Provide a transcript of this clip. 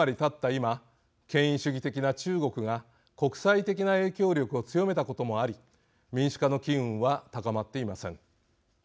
今権威主義的な中国が国際的な影響力を強めたこともあり民主化の機運は高まっていません。